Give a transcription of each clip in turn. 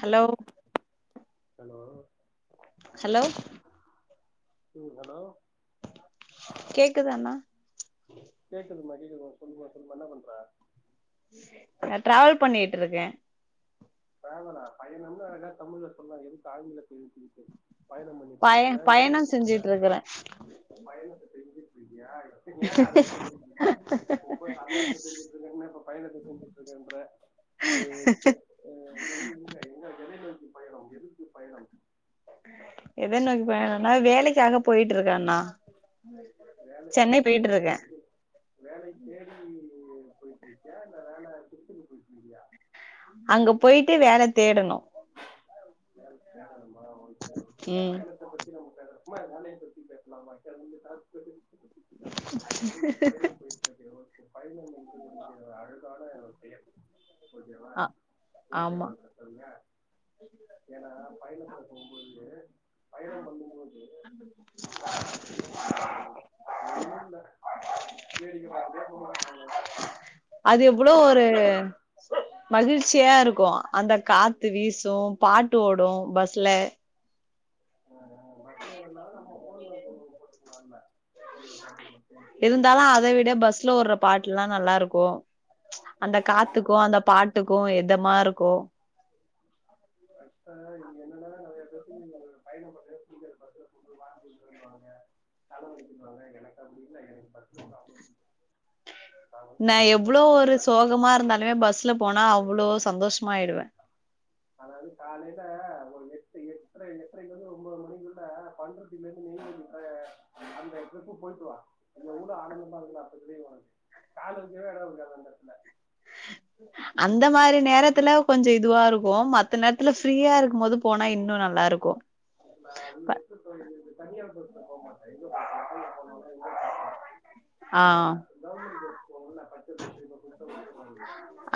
hello hello hello ம் hello கேக்குதா அண்ணா கேக்குதுமா கேக்குதுமா சொல்லுமா சொல்லுமா என்ன பண்ற நா டிராவல் பண்ணிட்ருக்க ட்ராவலா பயணம்னு அழகா தமிழ்ல சொல்லே எதுக்கு ஆங்கிலத்தில் சொல்லிட்டு பயணம் பய பண்ணிட்ருக்கியா எங்க பயணம் போயிட்டுருக்க செஞ்சுட்டு இருக்கறே பயணத்த தெரிஞ்சுட்ருக்கியா பின்ன ஏ அத பேசிட்ருக்க இப்ப சமையல்க்கு செஞ்சுட்ருந்தன்ன இப்ப பயணத்த செஞ்சுட்ருக்கன்ற செரி ஓகே ஆ எங்க இங்க எங்க எதை நோக்கி பயணம் எதுக்கு பயணம் எத நோக்கிப் பயணன்னா வேலைக்காக போயிட்ருக்கண்ணா வேலைகள்லா ஒன்னு வேலை வேலைக்கி வேலை தேடி போயிட்டுருக்கியா இல்ல வேல திருச்சில போயிட்ருக்கியா அங்க போயிட்டு வேல தேடணு வேல் தேடணுமா ஓகே ஓகே இப்ப ம் பயணத்த பத்தி நம்ம பேச சும்மா வேலைய பத்தி பேஸ்லாமா [unintelligible] ஆக்சுலி இப்ப பயணம் போயிட்ருக்கியே ஒரு ஓகே பயணம் என்பது ஒரு அழகான ஒரு பெயர் ஓகேவா ஆ ஆமா ஓகேவா சதன்யா ஏனா பயணத்துல போம் போது பயணம் பண்ணும் போது என்னா ஊர் பயணம் பண்றது ஒண்ணுல்ல வேடிக்க பாத்துட்டே போகலா அவ்ளோதா அது எவ்ளோ ஒரு மகிழ்ச்சியா இருக்கு அந்த காத்து வீசு பாட்டு ஓடு பஸ்ல ஆ ஆ பஸ்லனா நம்ம ஃபோன்ல போ போட்டுக்கலாம்ல ஃபோனில் பாட்டு போட்டு கொஞ்சம் இருந்தாலு பாட்டு அத போட்டுட்டு விட பஸ்ல ஒடுற பாட்டுலா நல்லாருக்கு அந்த ஆமாம் காத்துக்கு இதை அந்த பாட்டுக்கு எதமா இருக்கு ஃபஸ்ட்டு இங்க என்னன்ன நெறைய பேத்துக்கு பயணம் பண்றதே புடிக்காது பஸ்ல போம் போது வாந்தி வருதுன்னுவாங்க தல வலிக்குதுன்னுவாங்க எனக்கு அப்டி இல்ல எனக் பஸ்ல போக அவ்ளோ புடிக்கு நா எவ்வளோ ஒரு சோகமா இருந்தாலுமே பஸ்ல போனா அவ்வளோ சந்தோஷமா ஆயிடுவ அதாவது காலையில ஒரு எட்டு எட்ர எட்ரையிலேருந்து ஒரு ஒம்போது மணிக்குள்ள பண்ரூட் டிலேருந்து [unintelligible] அந்த டிரிப்பு போயிட்டு வா எவ்ளோ ஆனந்தமா இருக்குனு அப்ப தெரியு ஒனக்கு கால் வைக்கவே எட் இருக்காது அந்த எடத்துல அந்த மாரி நேரத்துல கொஞ்ச இதுவா இருக்கு மத் த நேரத்துல ஃப்ரீயா இருக்கும் போது போனா இன்னு நல்லா இருக்கு நா ப ரெண்டு பஸ்ஸுருக்கு தனியார் பஸ்ல போ மாட்டே எங்க போனாலு லாங்கு போனாலு எங்க போனாலு ஆ கவர்மென்ட் பஸ் போவுல்ல பச்சபஸ் இப்ப புதுசா விட்ருங்காங்கல்ல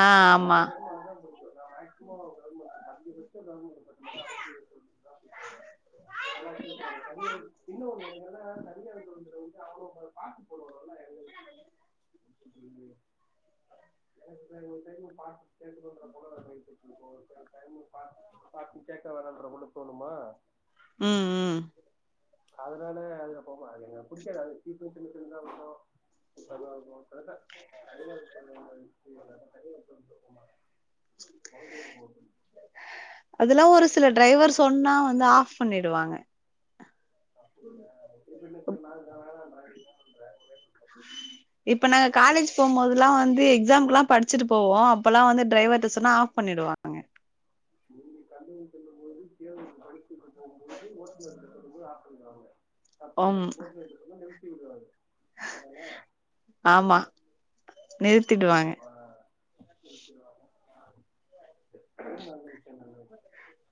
ஆ [unintelligible] அதா ஆமா மேக்சிமம் கவர்ன்மென்ட் பஸ் அஞ்சி பஸ் இருந்தாலுமே ஏழு பஸ் இருந்தாதா அவுங்களு கிளியர் பண்ண முடியு ட்ராஃபிக் நல்லா வச்சிருப்பாங்க கண்டியன் இன்னொன்னு என்னன்னா தனியா இருக்கவங்களுக்கு அவுங்க அவுங்க பாட்டு போடுவாங்கல்லா எங்க எனக்கு தெரியலையே எனக்கு பின்னாடி ஒரு டைம் பாட்டு கேக்குதோன்ற பொக வேற போயிட்டுட்டு இருக்கோ ஒரு சில டைம் பாட்டு பாட்டு கேக்க வேணான்ற போல தோணுமா ம் ம் அதுனால அதுல போ கூடாதுங்க புடிச்சது எது சீட் போட்டு வச்சிருந்தா மட்டு தனியா இருக்கும் போது சேட்ட தனியா [unintelligible] தனியா இருக்கும் போது தூக்கமா அதுக்கு எதுக்கு போகனு அதெல்லா ஒரு சில டிரைவர் சொன்னா வந்து ஆஃப் பண்ணிடுவாங்க ம் அப்டி இப்டின்னு பின்னாடி இருந்தாலு பாட்டு [unintelligible] இப்ப நாங்க காலேஜ் போம்போது அதெல்லா வந்து எக்ஸாம்குல்லா படிச்சிட்டு போவோ அப்பல்லா வந்து டிரைவர்ட்ட சொன்னா ஆஃப் பண்ணிடுவாங்க கல்லூரிக்கு செல்லும் போது தேர்வுக்கு படிச்சிட்டு போம்போது ஓட்டுனர் கிட்ட சொல்லும் போது ஆஃப் பண்ணிடுவாங்க தப்பு ம் போட்டு வச்சிருந்தாலு நிறுத்தி விடுவாரு அதனால ஆமா நிறுத்திடுவாங்க ஆமப்பா அத வச்சி என்ன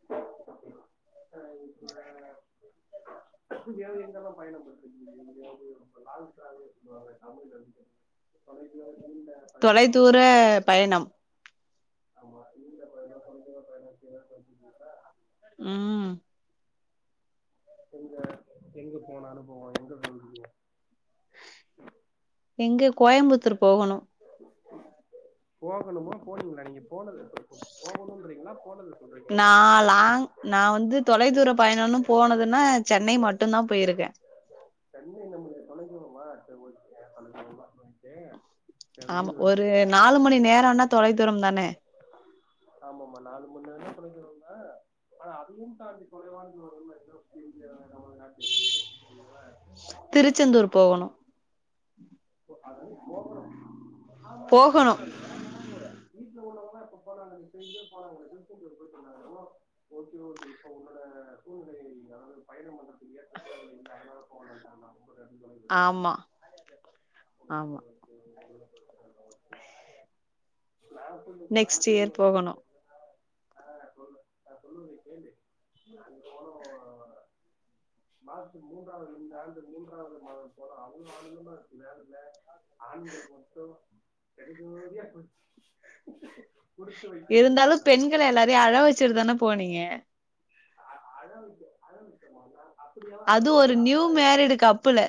பண்ண ஆ இப்ப வேற எங்கல்லா பயணம் போய்ட்ருக்கீங்க எங்கயாவது லாங் டிராவல் இந்த மாரி நாங்களு தெரிஞ்சிக்கிறோ தொலை தூர நீண்ட தொலை பயணமாக தூர சொல்லுங்க ஏதாவது பயணம் போயிட்ருக்கீங்களா ஆமா நீண்ட பயணம் தொலைதூரப் பயணம் இப்டி ஏதாவது போயிட்ருக்கீங்களா ம் எங்க எங்க போன அனுபவோ எங்க போயிருக்கீங்க எங்க கோயம்புத்தூர் போகணு போகணுமா போனீங்களா நீங்க போனது எப்ப இப்ப போகணுன்றீங்களா போனத சொல்றீங்களலா மேம் ஆ லாங் நா வந்து தொலைதூர பயணன்னு போனதுன்னா சென்னை மட்டுந்தா போயிருக்கே சென்னை நமக்கு தொலைதூரமா [unintelligible] தொலைதூரமா உங்களுக்கு ஆமா ஒரு நாலு மணி நேரன்னா தொலைதூரம் தானே ஆமாமா நாலு மணி நேரன்னா தொலைதூரந்தா ஆனா அதுவும் தாண்டி தொலைவானது ஒரு உண்ம [unintelligible] நமது நாட்டில் தெரியுமா திருச்செந்தூர் போகணு அதாது போகணும் ஆமா ஏ போகணு நீங்க போல வீட்ல உள்ளவங்களா இப்ப போனாங்க எனக்கு தெரிஞ்சே போனாங்க திருச்செந்தூர் போயிட்டு வந்தாங்க எவ்ளோ ஓகே ஓகே இப்ப உன்னோட சூழ்நிலை அதாவது பயண பண்றதுக்கு ஏற்றதா இல்ல அதனால போ வேண்டாங்டாங்களா ஆமா ஆமா சேரி ஒண்ணு பிரச்சனை இல்ல ஓகேவா நா புரிஞ்சிகிட்டே நா நெக்ஸ்ட் அதிகமா இயர் வெளில போகணு போறதில்ல ஆ சொல்லு நா சொல்றத நீ கேளு நாங்க போனோ மார்ச் மூன்றாவது இந்த ஆண்டு மூன்றாவது மாதம் போல அவுங்க வந்துமா இல்ல இல்ல ஆண்கள் மட்டும் பெண்ரியா போச்சு இருந்தாலு பெண்கள எல்லாரையு அழ வச்சுட்டு தானே போனீங்க அ அழ வைக்க அழ வைக்க மானா அது ஒரு நியூ மேரிடு கப்புல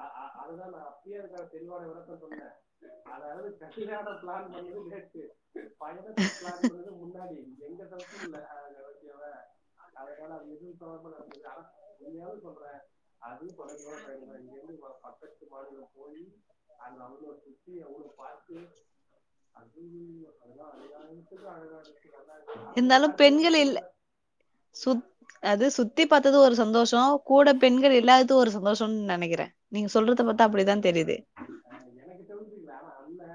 அ அ அதுதா நா அப்பயே இருக்கிற தெளிவான விளக்கோ சொன்னே அதாவது கட்டிகான பிளான் பண்றது வேஸ்ட் பயணத்த பிளான் பண்றது முன்னாடி எங்க தப்பு இல்ல பாத்திங்களா அதனால மிகவு தொடர்பு நடக்குறதா உண்மையாவு சொல்றே அது கோரங்களா மயங்கி மயங்கி இப்ப பக்கத்து மாநில போயி அங்க அவ்ளோ சுத்தி எவ்ளோ பாத்து ஐயை ஐயையோ அது எல்லா அநியாயத்துக்கு அழகா இருந்துச்சுங்க [unintelligible] ஆன்லைன் இருந்தாலு அட் டூ வந்த பெண்கள் இல்ல போதுங்க சுத் அது சுத்தி பாத்தது ஒரு சந்தோஷ கூட பெண்கள் இல்லாதது ஒரு சந்தோஷம்னு நெனைக்கிறே நீங்க சொல்றத பாத்தா ஆறு அப்டிதா பேருதா தெரியுது அ எனக்கு தெரிஞ்சு நா அண்ணே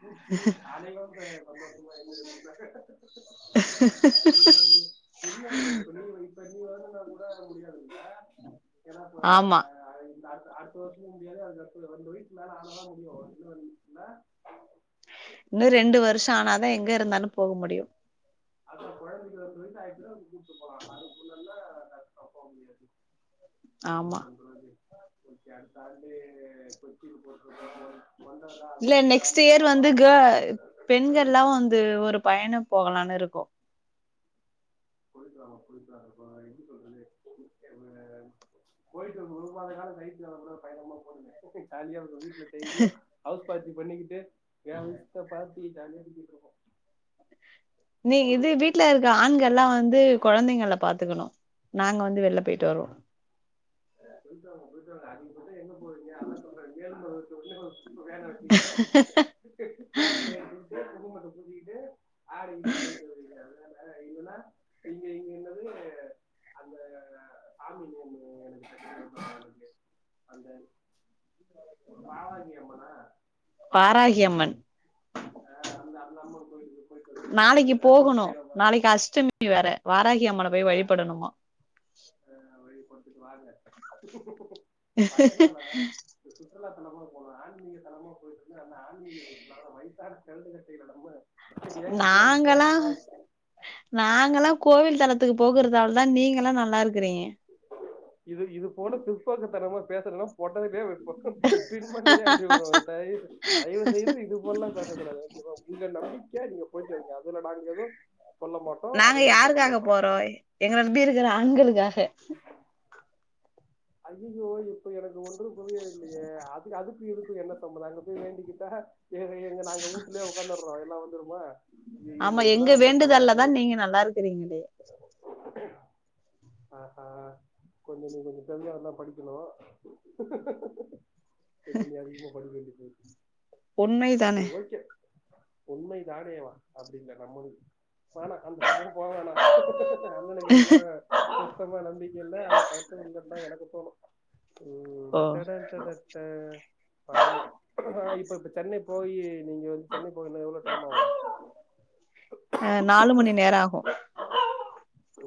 பூச்சி அன்னைக்கு வந்து சந்தோஷமா என்ஜாய் பண்ணாங்க ஐயையோ என்ன பண்ண இப்ப நீ வெயிட் பண்ணி வந்துருந்தா கூட அது முடியாது இல்ல ஏனா இப்ப ஆமா அயின் அடு அடுத்து இந்த வருஷமு முடியாது அதுக்கு அடுத்து தொழில் ஃபுல்லா ஆனா தா முடியு என்ன பண்ண இல்ல இன்னு ரெண்டு வருஷ ஆனாதா எங்க இருந்தாலு போக முடியு அதா குழந்தைங்க பெருசா ஆயிருச்சுனா கூட்டு போலா அதுக்குள்ளனா ஆகாது காப்ப முடியாது என்ன ஆமா பண்றது கொஞ்சோ அடுத்த ஆண்டு கொச்சிக்கு [unintelligible] இல்ல நெக்ஸ்ட் இயர் வந்து கே பெண்கள்யெல்லா வந்து ஒரு பயணம் போகலானு இருக்கோ போய்ட்டு வாங்க போய்ட்டு வாங்க பாய் எப்டி சொல்றது [unintelligible] போயிட்டு இருங்க ஒரு மாத கால வயத்துல கூட பயணமா போடுங்க ஜாலியாங்க வீட்டுல டய்லியோ ஹவுஸ் பார்ட்டி பண்ணிக்கிட்டு எ வீட்டுல பார்ட்டி ஜாலிய எடுத்துக்கிட்டு இருக்கோ நீங்க இது வீட்டு்ல இருக்க ஆண்கல்லா வந்து குழந்தைங்களல பாத்துக்கணு நாங்க வந்து வெளில போயிட்டு வருவோ போய்ட்டு வாங்க போய் து அதிக பச்சம் எங்க போவீங்க அதா செல்ரே மேல்மருவத்தூர்ந்து வேல வெச்சுகிட்டு டேக்கு பேப்பல ஏத்திட்டு குடும்பத்த கூட்டிட்டு ஆடிக்கிட்டு போயிட்டு வருவீங்கா எல்லா மேல வைகுலா இங்க இங்க என்னது அந்த சாமி நேமு எனக்கு க்கு வாகே அந்த வாவாங்கி அம்மனா பாராகியம்மன் ஆ அ அந்த அம்மன் கோவிலுக்கு போய் நாளைக்கு போகணு நாளைக்கு அஷ்டமி வேற வாராகி அம்மன போய் வழிபடணுமா ஆ வழி கொடுத்துட்டு வாங்க பைய சொன்னா இது சுற்றுலாத்தலமா போகணு ஆன்மீக தலமா போயிட்டு இருந்த அந்த ஆன்மீக சுற்றுலாவா வைசாக் கெழடு கட்டைகளா நம்ம யங் கேர்ள்ஸ் நாங்கல்லா யங் பாய்ஸ் நாங்கல்லா கோவில் தளத்துக்கு போகுறதால தா நீங்க எல்லா நல்லா இருக்கிறீங்க இது இது போல பிற்போக்கு தனமா பேசறதுலா பொடரிலே [unintelligible] பின் மண்டைலே அடி விழு தய் தயவுசெய்து இது ஒன்னு பேச கூடாது ஒகே ப்ரோ உங்க நம்பிக்க நீங்க போய்ட்டு வரிங்க அதுல நாங்க எதுவு சொல்ல மாட் நாங்க யாருக்காக போறோ எங்கள நம்பி இருக்கிற ஆண்களுக்காக ஐய்யய்யோ இப்ப எனக்கு ஒன்றும் புரியவில்லையே அது அதுக்கு இதுக்கும் என்ன சம்மந்தம் அங்க போய் வேண்டிக்கிட்டா எங்க எங்க நாங்க ஊட்டுலே உடக்காந்துட்றோ எல்லா வந்துருமா ஆமா இல்ல இதெல்லா எங்க ரொம்ப வேண்டுதல்ல தவறான தா இது நீங்க நல்லா இருக்கிறீங்களே ஆஹ கொஞ்ச நீங்க எம் டி ஆர் லா படிக்கணு நீ திரும்பி அதிகமா படிக் வேண்டிருக்கு உண்மை செரி தானே ‌ஒகே உண்மை தானேவா அப்டினு கேட்டா மு வேணா அந்த பக்கோ போவேணா அண்ணனுக்கு அதெல்லா சுத்தமா நம்பிக்க இல்ல அது [unintelligible] தா எனக்கு தோணு ஓ ம் பயணோ ஆ இப்ப இப்ப சென்னை போயி நீங்க வந்து சென்னை போகனா எவ்ளோ டைம் ஆவு அ நாலு மணி நேரோ ஆகு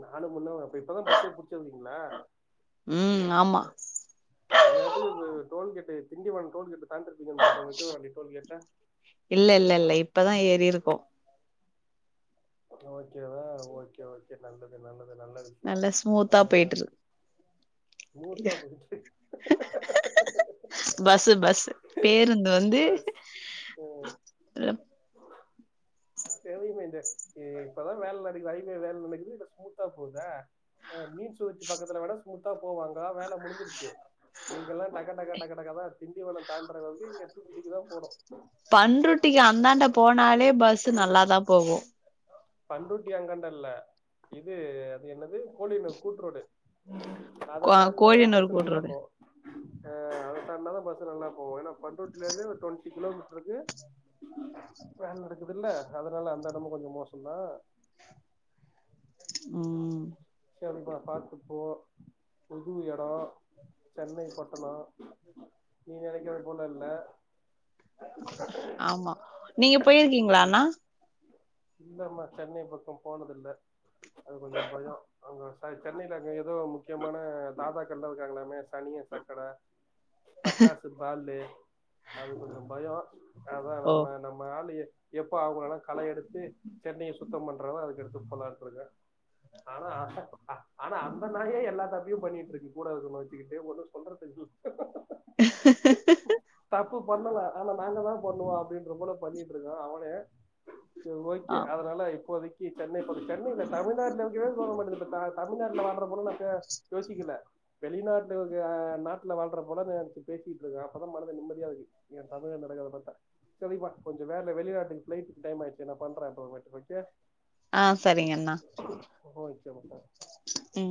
நாலூ மண்நோ அப்ப இப்பதா பஸ்சே புடிச்சிருகிங்களா ம் ஆமா இன்னேரத்துக்கு டோல்கேட்டு திண்டிவன டோல்கேட்டு தான்டிருப்பீங்கன்னு பாத்தங்க விக்கிரவாண்டி டோல்கேட்ட இல்ல இல்ல இல்ல இப்பதா ஏறி இருக்கோ ஓகேவா ஒகே ஓகே நல்லது நல்லது நல்லது நல்லா ஸ்மூத்தா போயிட்ரு ஸ்முத்தா போயிட்டு இருக் பஸ்ஸு பஸ் பேருந்து வந்து பஸ் தெவியுமே இந்த இப்பதா வேல நடக்குது ஹைவே வேல நடக்குது இப்ப ஸ்மூத்தா போதா அ மீன் ச்சு வச்சு பக்கத்துல வேணா ஸ்மூத்தா போவாங்க வேல முடிஞ்சிருச்சு இங்கெல்லா டக டக டக டக தா திண்டிவனம் தாண்டறவரிக்கி இங்க தூக்கி தூக்கிதா போடு பண்ருட்டிக்கு அந்தாண்ட போனாலே பஸ்சு நல்லாதா போகு பண்ருட்டி அங்காண்டல்ல இது அது என்னது கோலியனூர் கூட்ரோடு அத கோ தாண்னாதா கோழியனூர் பஸ்சு கூட்ரோடு நல்லாக்கு ஆ அத தான்னாதா பஸ்சு நல்லா போவு ஏன்னா பண்ருட்டில இருந்து ஒரு டுவெண்ட்டி கிலோமீட்டருக்கு வேல நடக்குதுல்ல அதனால அந்த எடமு கொஞ்ச மோசோதா ம் சரிப்பா பாத்து போ புது எடோ சென்னை பட்டணோ நீ நெனைக்கது போல இல்ல ஆமா நீங்க போயிருக்கீங்களா ம் அண்ணா இல்லம்மா சென்னை பக்கம் போனதில்ல அது கொஞ்சம் பயம் அங்க சாய் சென்னையில அங்க எதோ முக்கியமான தாதா கல்லா இருக்காங்களாமே சனிய சக்கட பட்டாசு பாலு அது கொஞ்ச பயோ அதா ஓ நம்ம நம் ஆளு எப்போ ஆவுங்கள கள எடுத்து சென்னைய சுத்தம் பண்றனா அதுக்கு அடுத்து போளாட்ருக்க ஆனா ஆனா அந்த நாயே எல்லா தப் டிவு பண்ணிட்ருக்கு கூடாதது ஒன்ன வெச்சுக்கிட்டு ஒன்னு சொல்றத்துக்கில்ல தப்பு பண்ணல ஆனா நாங்க தா பண்ணுவோ அப்டின்ற போல பண்ணிட்ருக்கா அவனே சேரி ஓகே ஆ அதனால இப்போதைக்கு சென்னை போறே சென்னை இல்ல தமிழ்நாட்ல இருக்கவே தோன மாட்டிது இப்பத்தா தமிழ்நாட்டுல வாழ்ற போல நா இப்ப யோசிக்கல வெளிநாட்டு்க்கு ஆ நாட்டுல வாழ்ற போல நெனச்சு பேசிட்ருக்கே அப்பதா மனது நிம்மதியா இருக்கு ஏ சகோதர நடக்கறத பாத்தா சேரிப்பா கொஞ்ச வேல வெளிநாட்டுக்கு ஃபிளைட்க்கு டைம் ஆய்ருச்சு நா பண்றே இப்ப பண்றே ஓகே ஆ செரிங்கண்ணா ஓகேமக்கா ம்